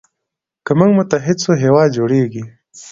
که موږ متحد سو هیواد جوړیږي.